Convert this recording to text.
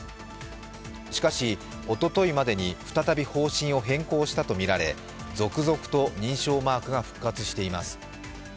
しかし、おとといまでに再び方針を変更したとみられ続々と認証マークが復活しています。